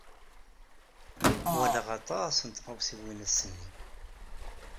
Walaɣ aṭas n tɣawsiwin ass-nni.